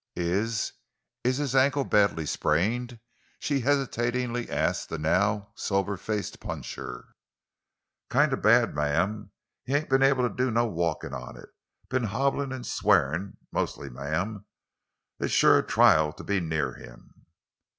"Is—is his ankle badly sprained?" she hesitatingly asked the now sober faced puncher. "Kind of bad, ma'am; he ain't been able to do no walkin' on it. Been hobblin' an' swearin', mostly, ma'am. It's sure a trial to be near him."